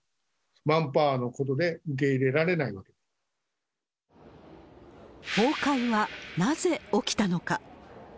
マンパワーのことで受け入れられ崩壊はなぜ起きたのか。